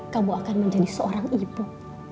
kamu akan menjadi seorang ibu